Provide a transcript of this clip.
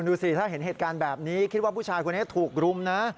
ดูสิถ้าเห็นเหตุการณ์แบบนี้คิดว่าผู้ชายคนนี้ถูกรุมนะ